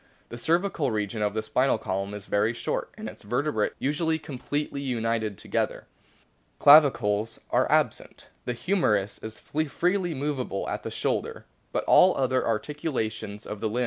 The cervical region of the spinal column is very short, and its vertebrae usually completely united together. Clavicles are absent. The humerus is freely movable at the shoulder, but all the other articulations of the * Handbuck der Palceontologie, iv.